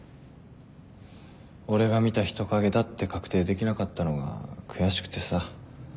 俺が見た人影だって確定できなかったのが悔しくてさ。